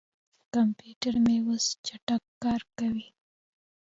کمپیوټر مې اوس چټک کار کوي.